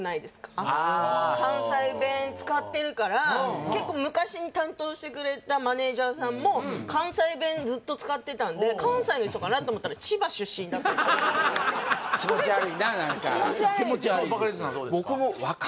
ああ関西弁使ってるから結構昔に担当してくれたマネージャーさんも関西弁ずっと使ってたんで関西の人かなと思ったら気持ち悪いな何か気持ち悪いんですよバカリズムさんどうですか？